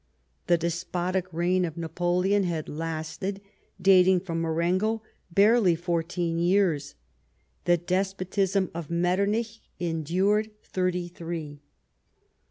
The despotic reign of Napoleon had lasted, dating from Marengo, barely fourteen years. The despotism of Metternich endured thirty three.